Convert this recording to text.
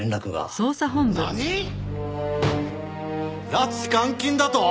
拉致監禁だと！？